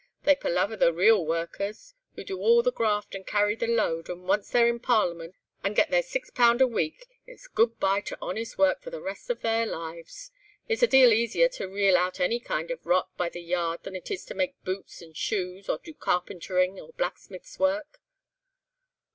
They palaver the real workers, who do all the graft, and carry the load, and once they're in Parliament and get their six pound a week it's good bye to honest work for the rest of their lives. It's a deal easier to reel out any kind of rot by the yard than it is to make boots and shoes, or do carpentering, or blacksmith's work."